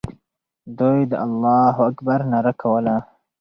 دوی د الله اکبر ناره کوله.